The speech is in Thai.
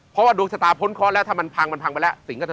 เพราะว่าโดยชะตาพ้นข้อแล้วถ้ามันพังมันพังไปแล้ว